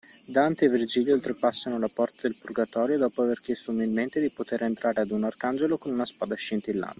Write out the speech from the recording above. Dante e Virgilio oltrepassano la porta del Purgatorio dopo aver chiesto umilmente di poter entrare ad un arcangelo con una spada scintillante.